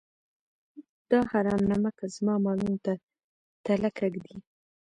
دا حرام نمکه زما مالونو ته تلکه ږدي.